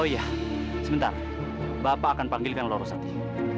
oh iya sebentar bapak akan panggilkan lurusak